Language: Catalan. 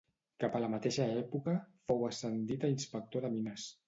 Cap a la mateixa època, fou ascendit a Inspector de mines.